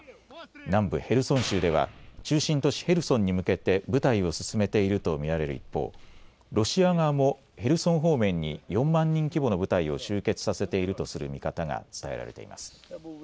南部ヘルソン州では中心都市ヘルソンに向けて部隊を進めていると見られる一方ロシア側もヘルソン方面に４万人規模の部隊を集結させているとする見方が伝えられています。